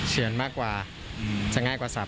เฉือนมากกว่าจะง่ายกว่าสับ